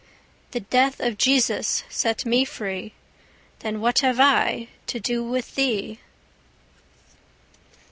The death of Jesus set me free: Then what have I to do with thee?